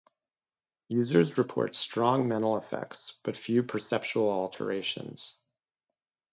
Users report strong mental effects, but few perceptual alterations.